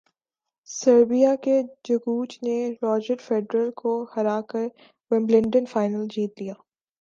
Serbia کے جوکووچ نے راجر فیڈرر کو ہرا کر ومبلڈن فائنل جیت لیا